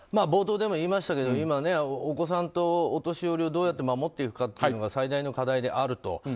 冒頭でも言いましたけど今、お子さんとお年寄りをどうやって守っていくかというのが最大の課題であると。